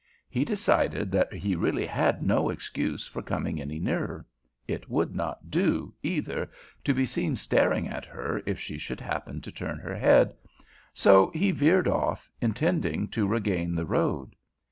He decided that he really had no excuse for coming any nearer. It would not do, either, to be seen staring at her if she should happen to turn her head, so he veered off, intending to regain the road.